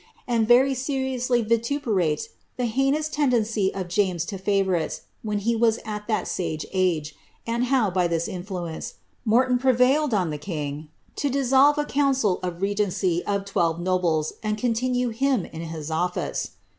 and very seriously vituperate the heinous tendency of James to favour ites when he was at that sage age, and how, by this influence, Morton pre^iled on the king to dissolve a council of regency of twelve nobles, and continue him in his office!